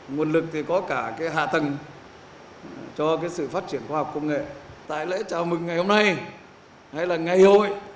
nguồn lực thì có cả cái hạ tài